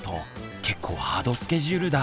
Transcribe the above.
結構ハードスケジュールだ。